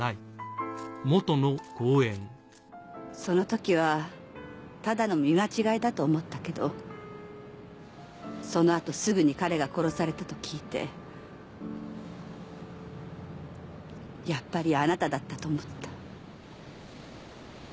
その時はただの見まちがいだと思ったけどそのあとすぐに彼が殺されたと聞いてやっぱりあなただったと思った。